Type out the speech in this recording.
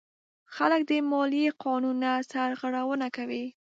خلک د مالیې قانون نه سرغړونه کوي.